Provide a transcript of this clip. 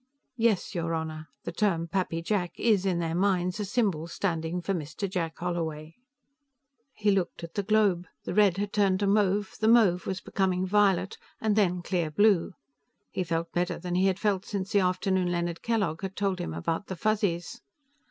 "Yes, your Honor. The term 'Pappy Jack' is, in their minds, a symbol standing for Mr. Jack Holloway." He looked at the globe. The red had turned to mauve, the mauve was becoming violet, and then clear blue. He felt better than he had felt since the afternoon Leonard Kellogg had told him about the Fuzzies.